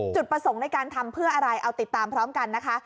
จุดประสงค์ในการทำเพื่ออะไรเอาติดตามพร้อมกันนะคะ